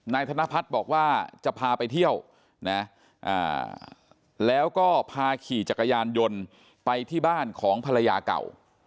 ธนพัฒน์บอกว่าจะพาไปเที่ยวนะแล้วก็พาขี่จักรยานยนต์ไปที่บ้านของภรรยาเก่า